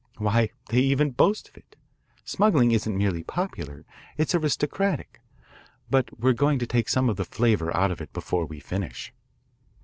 Why, they even boast of it. Smuggling isn't merely popular, it's aristocratic. But we're going to take some of the flavour out of it before we finish."